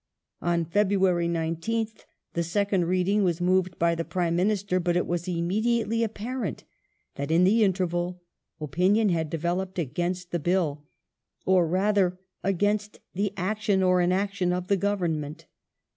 On February 19th the second reading was moved by the Prime Minister, but it was immediately appai*ent that in the interval opinion had developed against the Bill, or rather against the action or inaction of the Government.